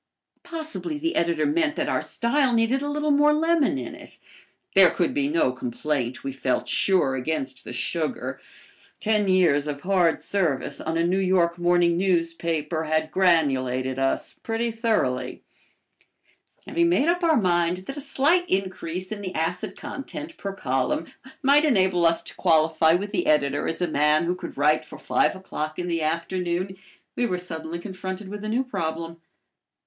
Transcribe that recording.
Possibly the editor meant that our style needed a little more lemon in it. There could be no complaint, we felt sure, against the sugar. Ten years of hard service on a New York morning newspaper had granulated us pretty thoroughly. Having made up our mind that a slight increase in the acid content per column might enable us to qualify with the editor as a man who could write for five o'clock in the afternoon, we were suddenly confronted with a new problem.